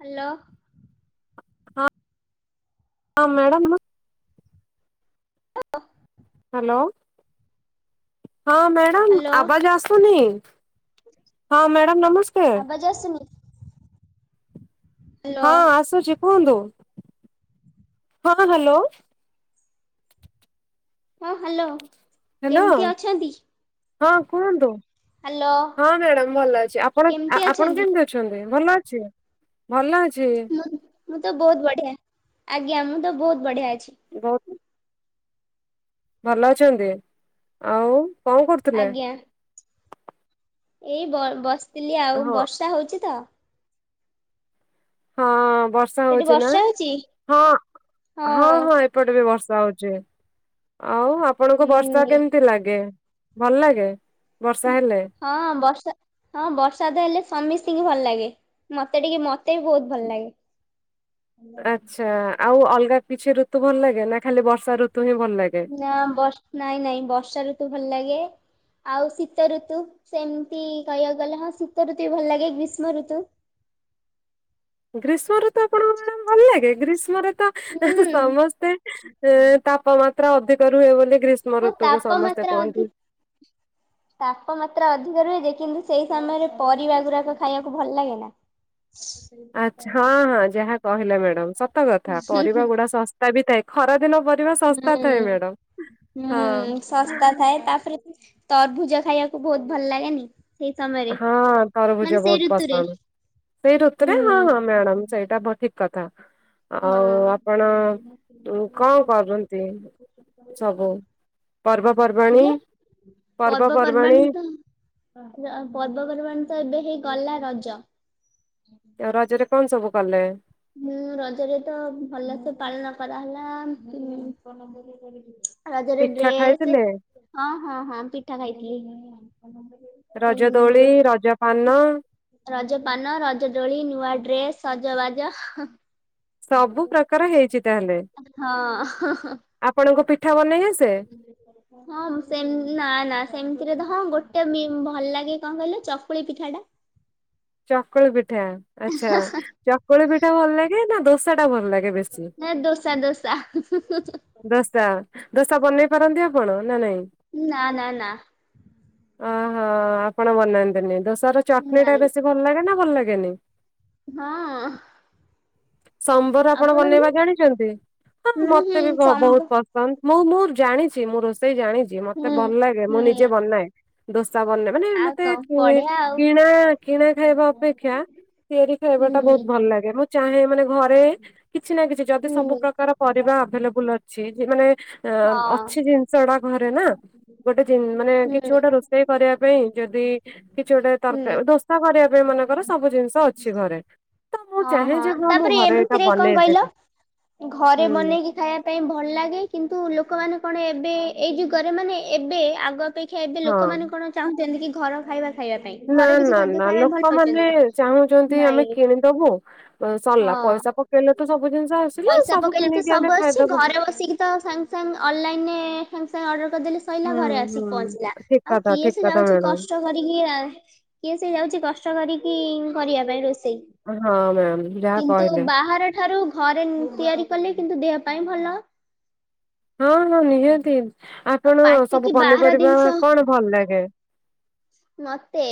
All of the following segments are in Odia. ହ୍ୟାଲୋ। ହଁ ମ୍ୟାଡ଼ାମ ହ୍ୟାଲୋ ହଁ ମ୍ୟାଡ଼ାମ ହ୍ୟାଲୋ ଆବାଜ ଆସୁନି। ହଁ ମ୍ୟାଡ଼ାମ ନମସ୍କାର। ଆବାଜ ଆସୁନି। ହ୍ୟାଲୋ ହଁ ଆସୁଛି କୁହନ୍ତୁ [unintelligible] ହ୍ୟାଲୋ। ହଁ ହ୍ୟାଲୋ। ହ୍ୟାଲୋ କେମିତି ଅଛନ୍ତି? ହଁ କୁହନ୍ତୁ। ହ୍ୟାଲୋ ହଁ ମ୍ୟାଡାମ ଭଲ ଅଛି ଆପଣ କେମିତି ଆପଣ ଅଛନ୍ତି? କେମତି ଅ ଭଲ ଅଛି ଭଲ ଅଛି। ମୁଁ ମୁଁ ତ ବହୁତ୍ ବଢ଼ିଆ ଆଜ୍ଞା ମୁଁ ତ ବହୁତ୍ ବଢ଼ିଆ ଅଛି। ବହୁତ୍ ଭଲ ଅଛନ୍ତି ଆଉ କଣ କରୁଥିଲେ? ଆଜ୍ଞା ଏଇ ବ ବସିଥିଲି ଆଉ ହଁ ବର୍ଷା ହଉଛି ତ। ହଁ ବର୍ଷା ସେଠି ହଉଛି ନା ବର୍ଷା ହଉଛି ହଁ ହଁ ହଁ। ଏପଟେ ବି ବର୍ଷା ହଉଛି ଆଉ ଆପଣଙ୍କୁ ବର୍ଷା ହୁଁ କେମିତି ଲାଗେ? ଭଲ ଲାଗେ ବର୍ଷା ହେଲେ। ହଁ ବର୍ଷା ହଁ ବର୍ଷା ତ ହେଲେ ସମିସ୍ତିକି ଭଲ ଲାଗେ। ମତେ ଟିକେ ମତେ ବି ବହୁତ୍ ଭଲ ଲାଗେ। ଆଚ୍ଛା ଆଉ ଅଲଗା କିଛି ଋତୁ ଭଲ ଲାଗେ ନା ଖାଲି ବର୍ଷା ଋତୁ ହିଁ ଭଲ ଲାଗେ। ନାଁ ବ ନାଇଁ ନାଇଁ ବର୍ଷା ଋତୁ ଭଲ ଲାଗେ। ଆଉ ଶୀତ ଋତୁ ସେମିତି କହିବାକୁ ଗଲେ ହଁ ଶୀତ ଋତୁ ବି ଭଲ ଲାଗେ ଗ୍ରୀଷ୍ମ ଋତୁ ଗ୍ରୀଷ୍ମ ଋତୁ ଆପଣଙ୍କୁ ମ୍ୟାଡ଼ାମ ଭଲ ଲାଗେ ଗ୍ରୀଷ୍ମରେ ହୁଁ ସମସ୍ତେ ତାପମାତ୍ରା ଅଧିକ ରୁହେ ବୋଲି ଗ୍ରୀ ଗ୍ରୀଷ୍ମ ଆଉ ଋତୁକୁୁ ସମସ୍ତେ ତାପମାତ୍ରା ଅଧିକ [unintelligible] ତାପମାତ୍ରା ଅଧିକ ରୁହେ ଯେ କିନ୍ତୁ ସେଇ ସମୟରେ ପରିବା ଗୁଡାକ ଖାଇବାକୁ ଭଲ ଲାଗେ ନା। ହ ଆଛା ହଁ ହଁ ଯାହା କହିଲା ମ୍ୟାଡାମ ସତ କଥା ହୁଁ ପରିବା ଗୁଡା ଶସ୍ତା ବି ଥାଏ। ଖରାଦିନ ପରିବା ଶସ୍ତା ହୁଁ ଥାଏ ମ୍ୟାଡାମ। ହଁ ହୁଁ ସସ୍ତା ଥାଏ ତାପରେ ତରଭୁଜ ଖାଇବାକୁ ବହୁତ ଭଲ ଲାଗେନି। ସେଇ ସମୟରେ ହଁ ମାନେ ତରଭୁଜ ସେଇ ବହୁତ ଋତୁରେ। ପସନ୍ଦ ସେଇ ଋତୁରେ ହୁଁ ହଁ ହଁ ମ୍ୟାଡାମ ସେଇଟା। କଥା ଆଉ ହଁ ଆପଣ କଣ କରୁଛନ୍ତି। ସବୁ ପର୍ବପର୍ବାଣୀ ଆଜ୍ଞା ପର୍ବପର୍ବାଣୀ ପର୍ବପର୍ବାଣ ତ ଏବେ ହେଇ ଗଲା ରଜ ଆ ରଜରେ କଣ ସବୁ କଲେ? ହୁଁ ରଜରେ ତ ଭଲ ସେେ ପାଳନ କରାହେଲା। ରଜରେ ପିଠା ଡ୍ରେସ୍ ଖାଇଥିଲେ ହଁ ହଁ ହଁ ପିଠା ଖାଇଥିଲି। ଏଁ ରଜ ଦୋଳି ଯୋଉ ରଜ ପାନ ରଜ ପାନ ରଜଡୋଳି ନୂଆ ଡ୍ରେସ ରଜବାଜ ସବୁ ପ୍ରକାର ହେଇଛି ହଁ। ଆପଣଙ୍କ ପିଠା ବନେଇବେ ଆସେ? ହ। ହଁ ସେ ନା ନା ସେମିତିରେ ତ ହଁ ଗୋଟେ ଭଲ ଲାଗେ କଣ କହିଲେ ଚକୁଳି ପିଠା ଟା। ଚକୁଳି ପିଠା ଆଚ୍ଛା ଚକୁଳି ପିଠା ଭଲ ଲାଗେ ନା ଦୋସା ଟା ଭଲ ଲାଗେ। ବେଶୀ? ନ ଦୋସା ଦୋସ ଦୋସା ଦୋସା ବନେଇ ପାରନ୍ତି ଆପଣ ନା ନାଇଁ। ନା ନା ନା। ଓହୋ ଆପଣ ବନାନ୍ତିନି ଦୋସାର ଚକଲେଟ ନାଇଁ ଏବେ ଭଲ ଲାଗେ ନା ଭଲ ଲାଗେନି। ହଁ। ସମ୍ବର ଆପଣ ଆପଣଙ୍କୁ ବନେଇବା ଜାଣିଛନ୍ତି ହଁ ହୁଁ ହୁଁ ମତେ ବି ବହୁତ ସମ୍ଭ ପସନ୍ଦ। ମୁଁ ମୁଁ ଜାଣିଛି ମୁଁ ରୋଷେଇ ଜାଣିଛି ମତେ ହୁଁ ଭଲ ଲାଗେ ମୁଁ ହୁଁ ନିଜେ ବନାଏ ଦୋସା ବନେଇ ମାନେ ଆଉ ମତେ କଣ ବଢିଆ ଆଉ। କିଣା କିଣା ଖାଇବା ଅପେକ୍ଷା ତିଆରି ଖାଇବା ଟା ହୁଁ ବହୁତ ଭଲ ଲାଗେ ମୁଁ ଚାହେ ମାନେ ଘରେ କିଛି ନା କିଛି ଯଦି ହୁଁ ସବୁ ପ୍ରକାର ପରିବା ଆ ଅ ମାନେ ହଁ। ଅଛି ଜିନିଷଟା ଘରେ ନା ଗୋଟେ ଜ ମାନେ ହୁଁ କିଛି ଗୋଟେ ରୋଷେଇ କରିବା ପାଇଁ ଯଦି କିଛି ଗୋଟେ ହୁଁ ତରକାରୀ କରିବା ପାଇଁ ମାନେଙ୍କର ସବୁ ଜିନିଷ ଅଛି ଘରେ। ତ ମୁଁ ହଁ ଚାହେଁ ହଁ ଯେ ମୁଁ ତାପରେ ଘରେ ଏଇଟା ଏମିତିରେ କଣ କହିଲ ବନେଇଦେବି। ଘରେ ବନେଇକି ଖାଇବା ପାଇଁ ଭଲ ଲାଗେ କିନ୍ତୁ ଲୋକମାନେ କଣ ଏବେ ଏଇ ଯୁଗରେ ମାନେ ଏବେ ଆଗ ଅପେକ୍ଷା ଏବେ ଲୋକମାନେ ହଁ। କଣ ଚାହୁଁଛନ୍ତି କି ଘର ଖାଇବା। ଖାଇବା ପାଇଁ ନା ଘର କିଛି ନା ଖାଦ୍ୟ ନା ଖାଇବା ପାଇଁ ଭଲ ପାଉଛନ୍ତି ଲୋକମାନେ କି? ଚାହୁଁଛନ୍ତି ଆମେ ନାଇଁ କିଣିଦବୁ। ସରିଲା ହଁ ପଇସା ପକେଇଲେ ତ ସବୁ ଜିନିଷ ଆସିଲା ପଇସା ସବୁ ପକେଇଲେ ତ କିଣିକି ସବୁ ଆମେ ଆସୁଛି ଖାଇଦବା। ଘରେ ବସିକି ତ ସାଙ୍ଗସଙ୍ଗ ଅନଲାଇନ୍ରେ ସାଙ୍ଗସଙ୍ଗ୍ ଅର୍ଡ଼ର କରିଦେଲି। ସୋଇଲାା ହୁଁ ଘରେ ହୁଁ ଆସିକି ପହଞ୍ଚିଲା ଠିକ ଆଉ କଥା କିଏ ଠିକ ସେ କଥା ଯାଉଛି ମ୍ୟାଡାମ। କଷ୍ଟ। କରିକି କିଏ ସେ ଯାଉଛି କଷ୍ଟ କରିକି କରିବା ପାଇଁ ରୋଷେଇ ହଁ ମ୍ୟାମ୍ ଯାହା କିନ୍ତୁ କହିଲେ ବାହାର ଠାରୁ ଘରେ ତିଆରି କଲେ କିନ୍ତୁ ଦେହ ପାଇଁ ଭଲ। ହଁ ହଁ ନିହାତି ଆଉ ଆପଣ ସବୁ ପାଟିକି ବାହାର ପନିପରିବା ଜିନିଷ କଣ ଭଲ ଲାଗେ। ମତେ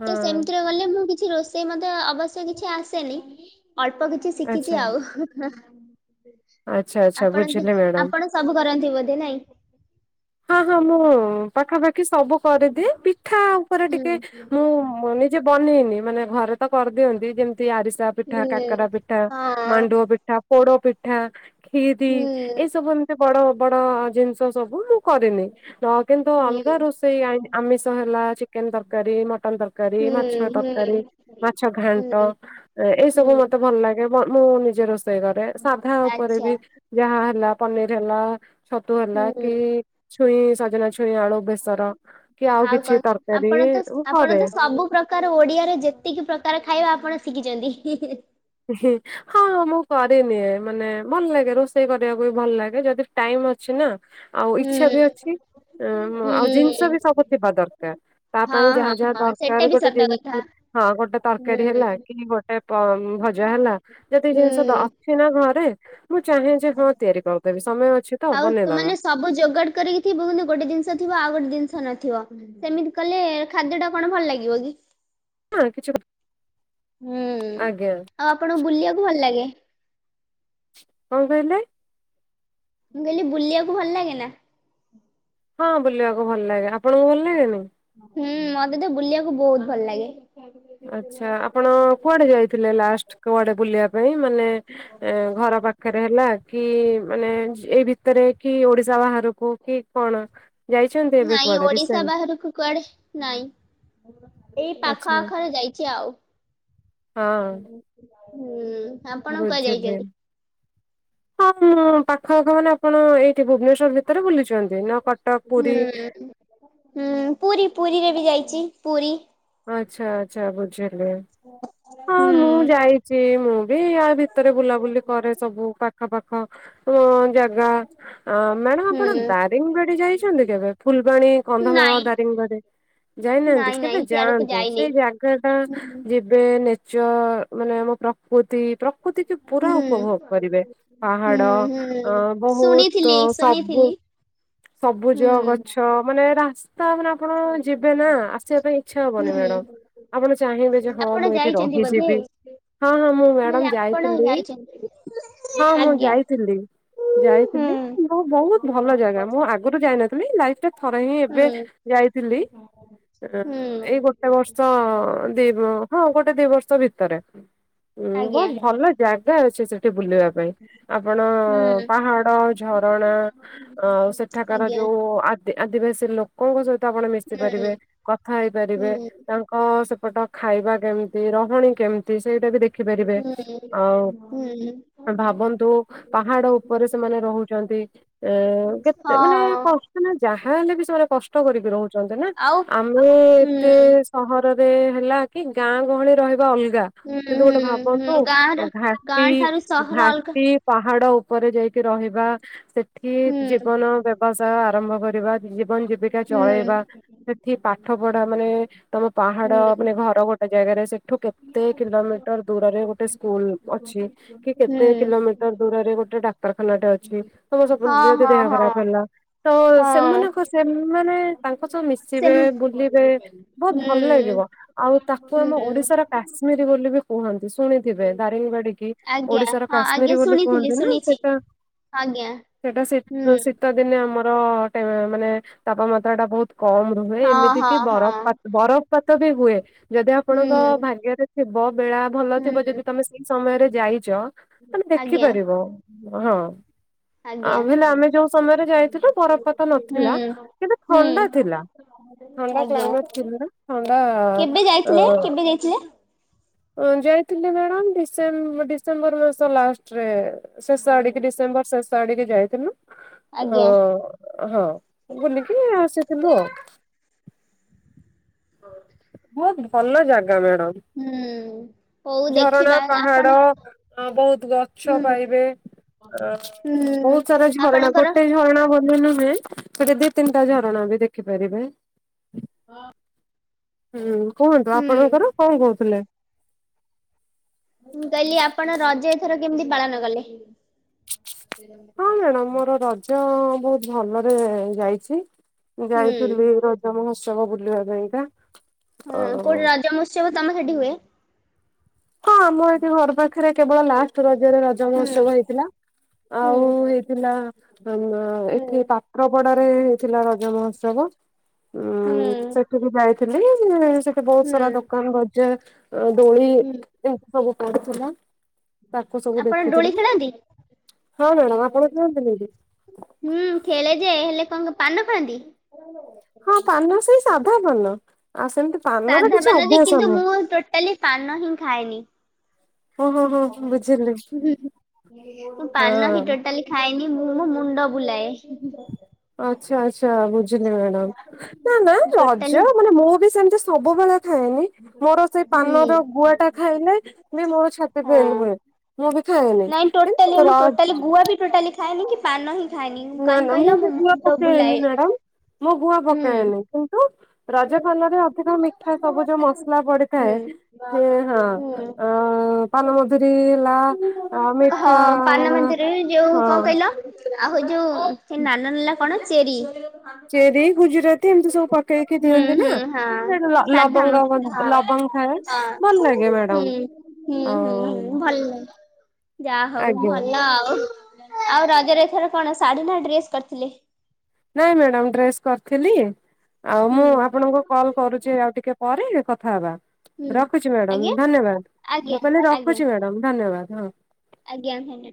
ହଁ ସେମିତିରେ ଗଲେ ମୁଁ କିଛି ରୋଷେଇ ମତେ ଅବଶ୍ୟ କିଛି ଆସେନି ଅଳ୍ପ କିଛି ଶିଖିଛି ଆଚ୍ଛା ଆଉ। ଆଚ୍ଛା ଆଚ୍ଛା ଆପଣ ବୁଝିଲି ମ୍ୟାଡାମ। ଆପଣ ସବୁ କରନ୍ତି ବୋଧେ ନାଇଁ। ହଁ ହଁ ମୁଁ ପାଖାପାଖି ସବୁ କରିଦିଏ ପିଠା ଉପରେ ହୁଁ ଟିକେ ମୁଁ ବନେଇନି ମାନେ ଘରେ ତ କରିଦିଅନ୍ତି ଯେମିତି ଆରିସାପ ପିଠା କାକରାା ହୁଁ ପିଠା ହଁ ମାଣ୍ଡୁଅ ପିଠା ପୋଡ ପିଠା ଖିରି ହୁଁ ଏଇ ସବୁ ଏମତି ବଡ ବଡ ଜିନିଷ ସବୁ କରିନି ହ କିନ୍ତୁ ହୁଁ ଅଲଗା ରୋଷେଇ ଆମିଷ ହେଲା ଚିକେନ ତରକାରୀ ମଟନ ତରକାରୀ ମାଛ ତରକାର ହୁଁ ମାଛ ଘାଣ୍ଟ ହୁଁ। ଏଇ ସବୁ ହୁଁ ମତେ ଭଲ ଲାଗେ ମୁଁ ନିଜେ ରୋଷେଇ କରେ ସାଧା ଉପରେ ଆଚ୍ଛା ବି ଯାହା ହେଲା ପନିର ହେଲା ଛତୁ ହେଲା ହୁଁ କି ଛୁଇଁ ସଜନା ଛଇ ଖଳିଆଳୁ ବେସର କି ଆଉ କିଛି କଣ ଆପଣ ତରକାରରିୀ ତ ଆପଣ ଘରେ ତ ସବୁ ପ୍ରକାର ଓଡିଆରେ ଯେତିକି ପ୍ରକାର ଖାଇବା ଆପଣ ଶିଖିଛନ୍ତି ହଁ ହଁ ହଁ ମୁଁ କରିନିଏ ମାନେ ଭଲ ଲାଗେ ରୋଷେଇ କରିବାକୁ ବି ଭଲ ଲାଗେ ଯଦି ଟାଇମ ଅଛି ନା ଆଉ ହୁଁ ଇଚ୍ଛା ବି ଅଛି ଉ ହୁଁ ଆଉ ଜିନିଷ ବି ସବୁ ଥିବା ଦରକାର ତା ହଁ ପାଇଁ ଯାହା ହଁ ଯାହା ହଁ ସେଟା ଦରକାର ବି ଗୋଟେ ସତ କଥା ଜିନିଷ ହଁ ଗୋଟେ ହୁଁ ତରକାରୀ ହେଲା କି ଗୋଟେ ଜା ହେଲା ଯେତିକି ଜିନିଷ ହୁଁ ଅଛି ନା ଘରେ ମୁଁ ଚାହେଁ ଯେ ହଁ ତିଆରି କରିଦେବି ସମୟ ଅଛି ତ ଆଉ ତୁ ବନେଇଦବା ମାନେ ସବୁ ଯୋଗାଡ଼ କରିକିଥିବୁନ୍ତୁ ଗୋଟେ ଜିନିଷ ଥିବ ଆଉ ଗୋଟେ ଜି ନଥିବ ସେମିତି କଲେ ଖାଦ୍ୟ ଟା କଣ ଭଲ ଲାଗିବ କି ହଁ କିଛି ହୁଁ ଆଜ୍ଞା ଆଉ ଆପଣଙ୍କୁ ବୁଲିବାକୁ ଭଲ ଲାଗେ କଣ କହିଲେ ମୁଁ କହିଲି ବୁଲିବାକୁ ଭଲ ଲାଗେ ନା ହଁ ବୁଲିବାକୁ ଭଲ ଲାଗେ ଆପଣଙ୍କୁ ଭଲ ଲାଗେନିଁ ହୁଁ ମତେ ତ ବୁଲିବାକୁ ବହୁତ ଭଲ ଲାଗେ ଆ୍ଛା ଆପଣ କୁଆଡେ ଯାଇଥିଲେ ଲାଷ୍ଟ କୁଆଡେ ବୁଲିବା ପାଇଁ ମାନେ ଏ ଘର ପାଖରେ ହେଲା କି ମାନେ ଏଇ ଭିତରେ କି ଓଡିଶା ବାହାରକୁ କି କଣ ଯାଇଛନ୍ତି ଏବେ ନାଇଁ କୁଆଡେ ଓଡିଶା ରିସେଣ୍ଟ ବାହାରକୁ କୁଆଡେ ନାଇଁ ଏଇ ପାଖ ଆଚ୍ଛା ଆଖରେ ଯାଇଛି ଆଉ ହୁଁ ଆପଣ କୁଆଡେ ବୁଝିବେ ଯାଇଛନ୍ତି? ହଁ ମୁଁ ପାଖ ପାଖ ମାନେ ଆପଣ ଏଇଠି ଭୁବନେଶ୍ଵର ଭିତରେ ବୁଲୁଛନ୍ତି ହୁଁ ହଁ ପୁରୀ ପୁରୀରେ ବି ଯାଇଛି ପୁରୀ ଆଚ୍ଛା, ଆଚ୍ଛା, ବୁଝିଲି। ହଁ ହଁ ମୁଁ ଯାଇଛି। ମୁଁ ବି ଆ ଭିତରେ ବୁଲାବୁଲି କରେ ସବୁ ପାଖ ପାାଖ ରା ଅ ମ୍ୟାଡାମ ଆପଣ ହୁଁ ଦାରିଙ୍ଗିବାଡି ଯାଇଛନ୍ତି କେବେ? ଫୁଲବାଣୀ, କନ୍ଧମାଳ, ନାଇଁ ଦାରିଙ୍ଗିବାଡି, ଯାଇନାହାନ୍ତି ନାଇଁ ନାଇଁ କେବେ ସିଆଡକୁ ଯାଆନ୍ତୁ ଯାଇନି। ସେଇ ଜା ଗାଟା ହୁଁ ଯେବେ ନେଚର ମାନେ ଆମ ପ୍ରକୃତି ତାକୁ ଟିକେ ପୁରା ହୁଁ ଉପଭୋଗ କରିବେ। ପାହାଡ ହୁଁ ଅ ହୁଁ। ବହୁତ ଶୁଣିଥିଲି ସବୁ ଶୁଣିଥିଲି ସବୁଜ ହୁଁ ଗଛ, ମାନେ ରା ସ୍ତା ଆପଣ ଯିବେ ନା ଆସିବା ପାଇଁ ଇଚ୍ଛା ହବନି ହୁଁ। ମ୍ୟାଡାମ ଆପଣ ଚାହିଁବେ ଯେ ହଁ ଆପଣ ମୁଁ ଏଇଠି ଯାଇଛନ୍ତି ବୋଧେ? ରହିଯିବି, ହଁ ହଁ ମୁଁ କହିଲି ମ୍ୟାଡାମ ଆପଣ ଯାଇଥିଲି। ଯାଇଛନ୍ତି ହଁ, ମୁଁ ଆଜ୍ଞା ଯାଇଥିଲି। ଯାଇଥିଲି ହୁଁ। ମ ହୁଁ ବହୁତ ଭଲ ଜାଗା ମୁଁ ଆଗରୁ ଯାଇନଥିଲି ଲାଇଫରେ ଥରେ ହିଁ ଏବେ ଯାଇଥିଲି ହୁଁ। ଏଇ ଗୋଟେ ବର୍ଷ ତ ଦି ହଁ ଗୋଟେ ଦି ବର୍ଷ ଭିତରେ। ହୁଁ ଆଜ୍ଞା ବହୁତ ଭଲ ଜାଗା ଅଛି ସେଠି ବୁଲିବା ପାଇଁ‌। ଆପଣ ହୁଁ। ପାହାଡ, ଝରଣା ଆଉ ସେଠାକାର ଆଜ୍ଞା ଯୋଉ ଆଦି ଆଦିବାସୀ ଲୋକଙ୍କ ସହିତ ଆପଣ ମିଶି ପାରିବେ, ହୁଁ କଥା ହେଇପାରିବେ, ହୁଁ ତାଙ୍କ ଙ୍କ ସେପଟ ଖାଇବା କେମିତି, ରହଣୀ କେମିତି, ସେଇଟା ବି ଦେଖି ଦେଖିପାରିବେ, ହୁଁ ଆଉ ହୁଁ। ଭାବନ୍ତୁ ପାହାଡ ଉପରେ ସେମାନେ ରହୁଛନ୍ତି ଏ ହଁ କେତେ ମାନେ କଷ୍ ସେମାନେ ଯାହା ହେଲେ ବି ସେମାନେ କଷ୍ଟ କରିକି ରହୁଛନ୍ତି ନା ଆଉ ଆମେ ହୁଁ ଏତେ ସହରରେ ହେଲା କି ଗାଁ ଗହଳି ରହିବା ଅଲଗା, ହୁଁ କିନ୍ତୁ ଗୋଟେ ହୁଁ ଭାବନ୍ତୁ ହୁଁ ଗାଁର ଘାଟି, ଗାଁ ଠାରୁ ସହର ଅଲଗା ଘାଟି ପାହାଡ ଉପରେ ଯାଇକି ରହିବା, ସେଠି ଜୀବନ ହୁଁ। ବ୍ୟବସାୟ ଆରମ୍ଭ କରିବା, ଜୀବନ ଜୀବିକା ହୁଁ। ଚଳେଇବା, ସେ ଏଠି ପାଠ ପଢା ମାନେ ତମ ପାହାଡ ହୁଁ ମାନେ ଘର ଗୋଟେ ଜାଗାରେ, ସେ ଠୁ କେତେ କିଲୋମିଟର ଦୂରରେ ଗୋଟେ ସ୍କୁଲ ଅଛି କି କେତେ ହୁଁ। କିଲୋମିଟର ଦୂରରେ ଗୋଟେ ଡାକ୍ତରଖାନାଟେ ଅଛି। ତମ ସବୁ ହଁ ଯଦି ହଁ ଦେହ ହଁ ଖରାପ ହେଲା ତ ହଁ। ସେମାନଙ୍କ ସେମାନେ ତାଙ୍କ ସହ ମିଶିବେ ସେମ୍ ବୁଲିବେ ବହୁତ ହୁଁ। ହୁଁ ଭଲ ଲାଗିବ। ଆଉ ତାକୁ ଆମ ଓଡିଶାର କାଶ୍ମୀର ବୋଲି ବି କୁହନ୍ତି। ଶୁଣିଥିବେ ଦାରିଙ୍ଗବାଡି, ଆଜ୍ଞା ଓଡିଶାର ହଁ ଆଜ୍ଞା କାଶ୍ମୀରି ବୋଲି ଶୁଣିଥିଲି କୁହନ୍ତି ନା ଶୁଣିଛି। ସେଟା ଆଜ୍ଞା ସେଟା ଶୀ ହୁଁ ଶୀତ ଦିନେ ଆମର ଟେ ମାନେ ତାପମାତ୍ରା ଟା ବହୁତ କମ୍, ହୁ ହଁ ଏମିତି ହଁ କି ବର ହଁ ବରଫପାତ ବି ହୁଏ, ଯଦି ହୁଁ ଆପଣଙ୍କ ଭାଗ୍ୟରେ ଥିବ ବେଳା ଭଲ ଥିବ ହୁଁ ଯଦି ତମେ ସେଇ ସମୟରେ ଯାଇଛ ତମେ ଆଜ୍ଞା ଦେଖିପାରିବ। ହଁ। ଆଜ୍ଞା। ଆଉ ହେଲେ ଆମେ ଯୋଉ ସମୟରେ ଯାଇଥିଲୁ ହୁଁ ବରଫପାତ ନଥିଲା କିନ୍ତୁ ହୁଁ। ଥଣ୍ଡା ଥିଲା। ଥଣ୍ଡା ଆଜ୍ଞା କ୍ଲାଇମେଟ ଥିଲା ଥଣ୍ଡା ଥିଲେ କେବେ ଯାଇଥିଲେ? ହଁ ଯାଇଥିଲି ମ୍ୟାଡ଼ାମ ଡିସେ ଡିସେମ୍ବର ମାସ ଲାଷ୍ଟରେ, ଶେଷ ଆଡିକି ଡିସେମ୍ବର ଶେଷ ଆଡିକି ଯାଇଥିଲୁ। ଅ ଆଜ୍ଞା। ହଁ, ବୁଲିକି ଆସିଥିଲୁ ଆଉ। ହଉ। ବହୁତ ଭଲ ଜାଗା ମ୍ୟାଡ଼ାମ। ହୁଁ। ହଉ ଝରଣା ଦେଖିବା ଆପଣ ପାହାଡ ବହୁତ ଗଛ ହୁଁ ପାଇବେ, ଅ ହୁଁ ବହୁତ ସାରା ଝରଣା ଆପଣଙ୍କର ଗୋଟେ ଝରଣା ବୋଧେ ନୁହେଁ ସେଇଠି ଦି ତିନିଟା ଝରଣା ବି ଦେଖିପାରିବେ। ହଁ। ହୁଁ କୁହନ୍ତୁ ଆପଣଙ୍କର କଣ କହୁଥିଲେ? ମୁଁ କହିଲି ଆପଣ ରଜ ଏଥର କେମିତି ପାଳନ କଲେ? ହଁ ମ୍ୟାଡାମ ମୋର ରଜ ବହୁତ ଭଲରେ ଯାଇଛି ହୁଁ ଯାଇଥିଲି ର ରଜ ମହୋତ୍ସବ ବୁଲିବା ପାଇଁକା। ହଁ ଅ କୋଉଠି ରଜ ମହୋତ୍ସବ ତମ ସେଠି ହୁଏ? ହଁ ଆମର ଏଠି ଘର ପାଖରେ କେବଳ ଲାଷ୍ଟ ରଜରେ ରଜ ହୁଁ ମହୋତ୍ସବ ହେଇଥିଲା। ହୁଁ। ଆଉ ହେଇଥିଲା, ଆ ହୁଁ ଏଠି ପାତ୍ରପଡାରେ ହେଇଥିଲା ରଜ ମହୋତ୍ସବ। ହୁଁ ଉଁ ସେଠିକ୍ ଯାଇଥିଲି। ସେ ବହୁତ ହୁଁ ସାରା ଦୋକାନ ବଜାର, ଦୋଳି ହୁଁ ଏମିତି ସବୁ ପଡିଥିଲା। ତାକୁ ସବୁ ଆପଣ ଦୋଳି ଦେଖିଥିଲି। ଖେଳନ୍ତି? ହଁ ମ୍ୟାଡ଼ାମ ଆପଣ ଖେଳନ୍ତିନି କି, ହୁଁ ଖେଳେ ଯେ ହେଲେ କଣ କ ପାନ ଖାଆନ୍ତି? ହଁ ପାନ ସେଇ ସାଧା ପାନ ଆଉ ସେମିତି ପାନର ସାଧା କିଛି ପାନ ଯେ ଅଭ୍ୟାସ କିନ୍ତୁ ନାହିଁ। ମୁଁ ଟୋଟାଲି ପାନ ହିଁ ଖାଏନି। ହଁ ହଁ ହଁ ବୁଝିଲି ମୁଁ ପାନ ହିଁ ହଁ ଟୋଟାଲି ଖାଏନି ମୁଁ ମୋ ମୁଣ୍ଡ ବୁଲାଏ। ଆଚ୍ଛା ଆଚ୍ଛା ବୁଝିଲି ମ୍ୟାଡାମ। ନା ନା ଟୋଟାଲି ରଜ ମାନେ ମୁଁ ବି ସେମିତି ସବୁବେଳେ ଖାଏନି। ମୋର ସେଇ ହୁଁ। ପାନର ଗୁଆଟା ଖାଇଲେ ବି ମୋର ଛାତି ପେନ ହଁ ହୁଏ। ମୁଁ ବି ଖାଏନି ନାଇଁ ଟୋଟାଲି କିନ୍ତୁ ମୁଁ ର ଟୋଟାଲି ଗୁଆ ବି ଟୋଟାଲି ଖାଏନି କି ପାନ ହିଁ ଖାଏନି। ନା କାହିଁକି ନା ମୁଁ କହିଲ ବି ମୋ ଗୁଆ ମୁଣ୍ଡ ପକାଏନି ବୁଲାଏ। ମ୍ୟାଡାମ। ମୁଁ ଗୁଆ ହୁଁ ପକାଏନି କି ରଜ ପାନରେ ଅଧିକ ମିଠା ସବୁ ଯୋଉ ମସଲା ପଡିଥାଏ। ସେ [inaudible] ହଁ ଅଁ ପାନମଧୁରୀ ହେଲା ଆଁ ହଁ ମିଠା ପାନ ଆଁ ମନ୍ଦିରରେ ଯୋଉ କଣ କହିଲ ଆଉ ହଉ ଯୁ ହେ ନାନା ନାଲା କଣ ଚେରି ଚେରି ଗୁଜୁରାତି ଏମିତି ସବୁ ପ ପକେଇକି ହୁଁ ଦିଅନ୍ତି ନା ହୁଁ ହଁ ସେଟା ଲ ସାଧା ଲବଙ୍ଗ ହ ମସଲା ଲବଙ୍ଗ ଥାଏ ହଁ ହଁ ଭଲ ଲାଗେ ହୁଁ ମ୍ୟାଡମ। ହୁଁ ହୁଁ ହୁଁ ଭଲ ଯାହା ହଉ ଆଜ୍ଞା ଭଲ ଆଉ। ଆଉ ରଜରେ ଏଥର କଣ ଶାଢୀ ନା ଡ୍ରେସ କରିଥିଲେ? ନାଇଁ ମ୍ୟାଡ଼ାମ ଡ୍ରେସ୍ କରିଥିଲି ଆଉ ହୁଁ ମୁଁ ଆପଣଙ୍କୁ କଲ କରୁଛି ଆଉ ଟିକେ ପରେ କଥା ହେବା। ହୁଁ ରଖୁଛି ମ୍ୟାଡାମ ଆଜ୍ଞା ଧନ୍ୟବାଦ ଆଜ୍ଞା ମୁଁ କହିଲି ଆଜ୍ଞା ରଖୁଛି ମ୍ୟାଡାମ ଧନ୍ୟବାଦ ହଁ। ଆଜ୍ଞା ହୁଁ